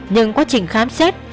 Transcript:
nhưng quá trình khám xét